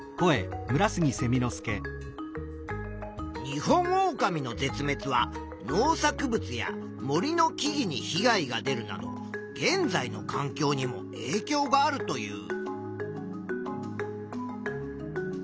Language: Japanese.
ニホンオオカミの絶滅は農作物や森の木々にひ害が出るなど現在のかん境にもえいきょうがあるという。